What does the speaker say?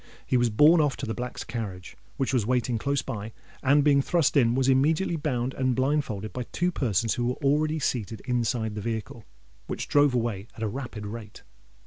He was borne off to the Black's carriage, which was waiting close by; and, being thrust in, was immediately bound and blindfolded by two persons who were already seated inside the vehicle, which drove away at a rapid rate.